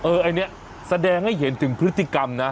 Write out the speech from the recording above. อันนี้แสดงให้เห็นถึงพฤติกรรมนะ